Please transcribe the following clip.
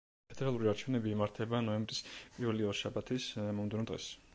ფედერალური არჩევნები იმართება ნოემბრის პირველი ორშაბათის მომდევნო დღეს.